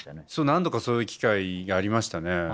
何度かそういう機会がありましたね。